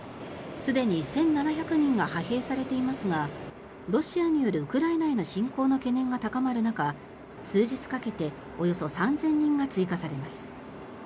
すでに１７００人が派兵されていますがロシアによるウクライナへの侵攻の懸念が高まる中数日かけて、およそ３０００人が追加されます。